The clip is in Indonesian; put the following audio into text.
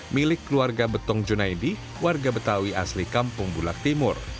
milik keluarga betong junaidi warga betawi asli kampung bulak timur